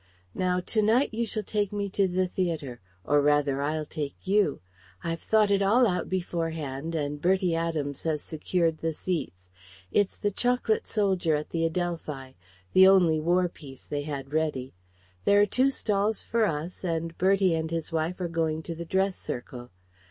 Now to night you shall take me to the theatre or rather I'll take you. I've thought it all out beforehand, and Bertie Adams has secured the seats. It's The Chocolate Soldier at the Adelphi, the only war piece they had ready; there are two stalls for us and Bertie and his wife are going to the Dress Circle.